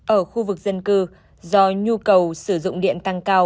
ở khu vực dân cư do nhu cầu sử dụng điện tăng cao